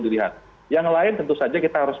dilihat yang lain tentu saja kita harus